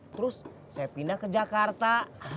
terus saya pindah ke jakarta